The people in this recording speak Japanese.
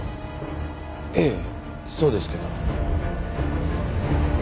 ええそうですけど。